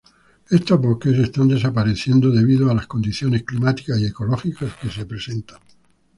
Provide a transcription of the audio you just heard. Estos bosques están desapareciendo debido a las condiciones climáticas y ecológicas que se presentan.